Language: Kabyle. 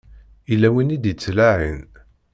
Yella win i d-ittlaɛin.